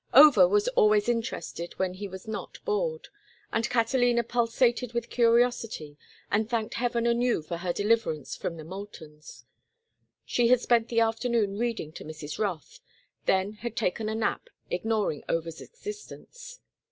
Over was always interested when he was not bored, and Catalina pulsated with curiosity and thanked Heaven anew for her deliverance from the Moultons. She had spent the afternoon reading to Mrs. Rothe, then had taken a nap, ignoring Over's existence.